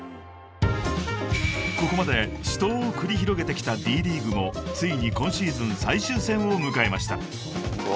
［ここまで死闘を繰り広げてきたＤ．ＬＥＡＧＵＥもついに今シーズン最終戦を迎えました］